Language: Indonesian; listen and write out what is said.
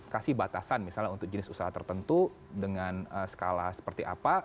kasih batasan misalnya untuk jenis usaha tertentu dengan skala seperti apa